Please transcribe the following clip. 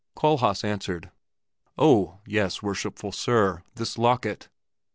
Kohlhaas answered, "Oh, yes, worshipful Sir, this locket!"